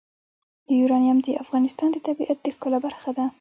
یورانیم د افغانستان د طبیعت د ښکلا برخه ده.